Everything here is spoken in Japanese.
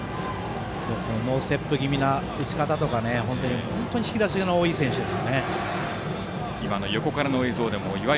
ノーステップ気味の打ち方とか本当に引き出しの多い選手ですね。